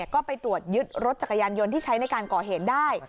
ก็ไปตรวจยึดรถจักรยานยนต์ที่ใช้ในการก่อเหตุได้